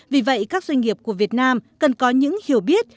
vì vậy các doanh nghiệp của việt nam cần có những hiểu biết